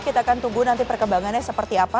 kita akan tunggu nanti perkembangannya seperti apa